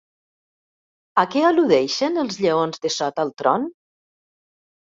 A què al·ludeixen els lleons de sota el tron?